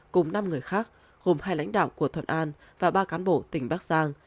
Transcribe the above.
cùng năm người khác gồm hai lãnh đạo của thuận an và ba cán bộ tỉnh bắc giang